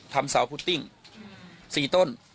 ทำเสาพุตติ้ง๔ต้น